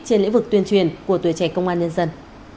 trên lĩnh vực tuyên truyền của tuổi trẻ công an nhân dân